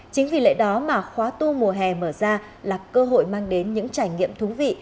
chính vì lẽ đó mà khóa tu mùa hè mở ra là cơ hội mang đến những trải nghiệm thú vị